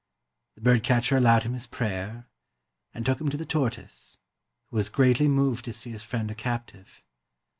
The bird catcher allowed him his prayer and took him to the tortoise, who was greatly moved to see his friend a captive.